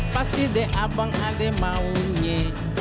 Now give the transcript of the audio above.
pasti deh abang ade maunya